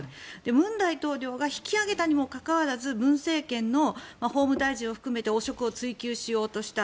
文大統領が引き上げたにもかかわらず文政権の法務大臣を含めて汚職を追及しようとした。